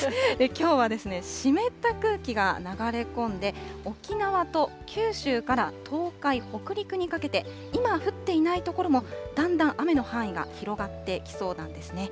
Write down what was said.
きょうは湿った空気が流れ込んで、沖縄と九州から東海、北陸にかけて、今降っていない所も、だんだん雨の範囲が広がってきそうなんですね。